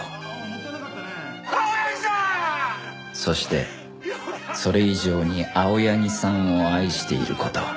そしてそれ以上に青柳さんを愛している事